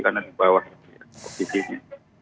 jadi karena di bawah posisinya